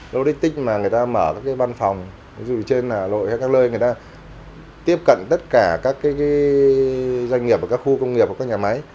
lô đích tích mà người ta mở các cái văn phòng dù trên là lội hay các lơi người ta tiếp cận tất cả các cái doanh nghiệp và các khu công nghiệp và các nhà máy